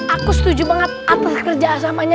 aku setuju banget atas kerja asamanya